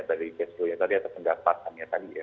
dari cash flow ya tadi atau pendapatannya tadi ya